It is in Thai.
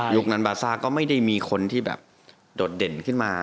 นั้นบาซ่าก็ไม่ได้มีคนที่แบบโดดเด่นขึ้นมา